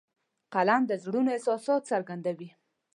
قلم د زړونو احساسات څرګندوي